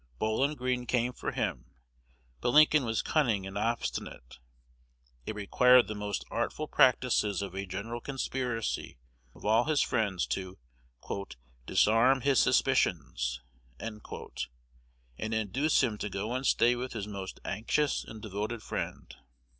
Bowlin Greene came for him, but Lincoln was cunning and obstinate: it required the most artful practices of a general conspiracy of all his friends to "disarm his suspicions," and induce him to go and stay with his most anxious and devoted friend.